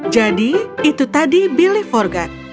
jadi itu tadi billy forgot